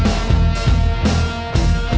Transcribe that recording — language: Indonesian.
masih lu nunggu